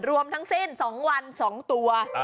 รวมทั้งสิ้น๒วัน๒ตัว